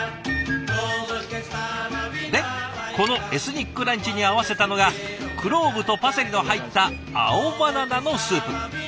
でこのエスニックランチに合わせたのがクローブとパセリの入った青バナナのスープ。